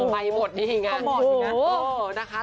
ไปหมดนี่อย่างงั้น